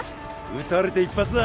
撃たれて一発だ